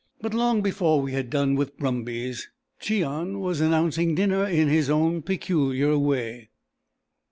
But long before we had done with brumbies Cheon was announcing dinner in his own peculiar way.